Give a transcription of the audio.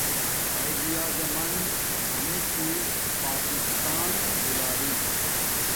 قایداعظم من امیچوں پاکستان دولارین